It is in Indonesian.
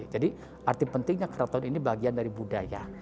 arti pentingnya keraton ini bagian dari budaya